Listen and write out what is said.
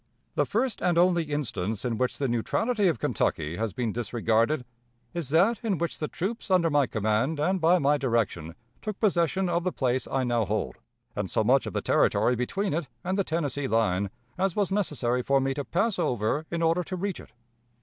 "The first and only instance in which the neutrality of Kentucky has been disregarded is that in which the troops under my command, and by my direction, took possession of the place I now hold, and so much of the territory between it and the Tennessee line as was necessary for me to pass over in order to reach it.